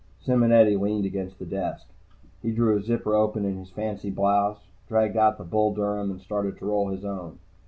Simonetti leaned against the desk. He drew a zipper open in his fancy blouse, dragged out the Bull Durham and started to roll his own.